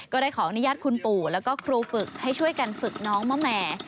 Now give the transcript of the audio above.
ก็ได้ขออนุญาตคุณปู่แล้วก็ครูฝึกให้ช่วยกันฝึกน้องมะแหม่